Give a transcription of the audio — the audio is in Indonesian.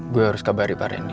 gue harus kabari pak rendy